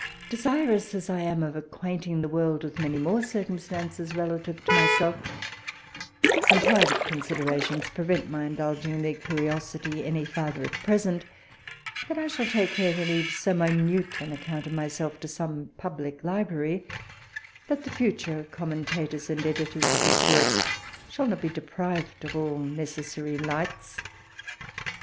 Desirous as I am of acquainting the world with many more circumstances relative to myself, some private considerations prevent my indulging their curiosity any farther at present; but I shall take care to leave so minute an account of myself to some public library, that the future commentators and editors of this work shall not be deprived of all necessary lights.